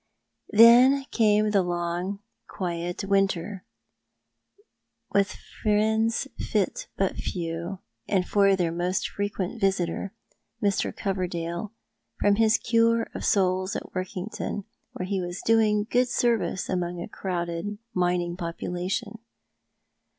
Then came the long quiet winter, with friends fit but few, ''For is not God All Mighty?'' 329 and for their most frequent visitor Mr. Coverdale, from his cure of souls at Workington, where he was doing good service among a crowded mining i)oi)ulation.